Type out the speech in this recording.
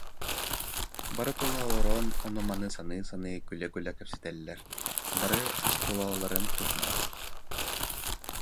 Бары тула олорон, ону-маны саныы-саныы, күлэ-күлэ кэпсэтэллэр, барыта оскуолаларын туһунан